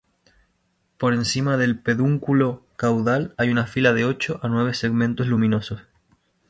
Por encima del pedúnculo caudal hay una fila de ocho a nueve segmentos luminosos.